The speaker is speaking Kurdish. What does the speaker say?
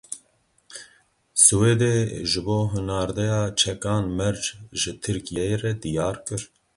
Swêdê ji bo hinardeya çekan merc ji Tirkiyeyê re diyar kir.